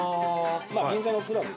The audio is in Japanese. まあ銀座のクラブ。